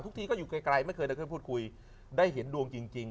ทีก็อยู่ไกลไม่เคยได้เคยพูดคุยได้เห็นดวงจริงจริง